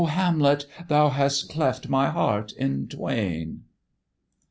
Hamlet, thou hast cleft my heart in twain!"